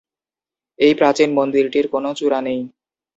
এই প্রাচীন মন্দিরটির কোনও চূড়া নেই।